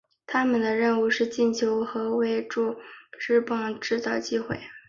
他们的任务是进球和为柱趸制造机会。